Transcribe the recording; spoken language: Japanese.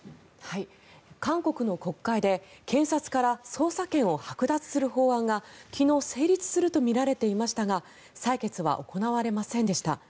韓国の国会で検察から捜査権をはく奪する法案が昨日成立するとみられていましたが採決は行われませんでした。